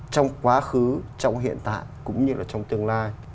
trong quá khứ trong hiện tại cũng như là trong tương lai